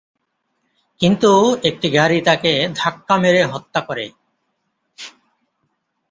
কিন্তু একটি গাড়ি তাকে ধাক্কা মেরে হত্যা করে।